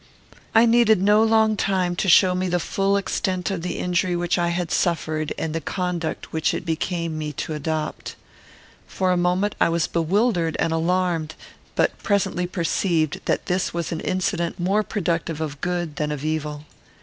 I needed no long time to show me the full extent of the injury which I had suffered and the conduct which it became me to adopt. For a moment I was bewildered and alarmed, but presently perceived that this was an incident more productive of good than of evil.